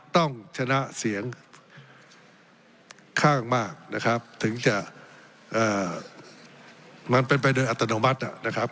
ต้องชนะเสียงข้างมากนะครับถึงจะเอ่อมันเป็นปฏิบัติอัตโนมัติน่ะนะครับ